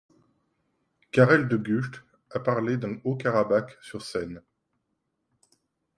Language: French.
Karel De Gucht a parlé d'un Haut-Karabakh sur Senne.